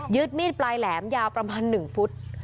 มีดปลายแหลมยาวประมาณ๑ฟุต